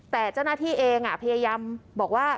แต่เจ้าหน้าที่เองพยายามบอกว่า